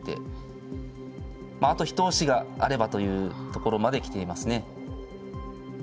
まああと一押しがあればというところまで来ていますね。